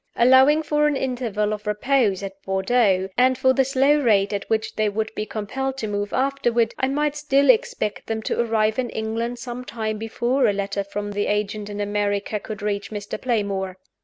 Allowing for an interval of repose at Bordeaux, and for the slow rate at which they would be compelled to move afterward, I might still expect them to arrive in England some time before a letter from the agent in America could reach Mr. Playmore.